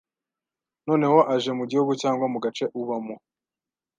Noneho aje mu gihugu cyangwa mu gace ubamo